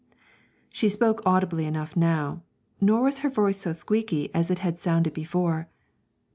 She spoke audibly enough now, nor was her voice so squeaky as it had sounded before.